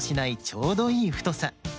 ちょうどいいふとさ。